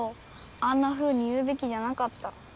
あんなふうに言うべきじゃなかった。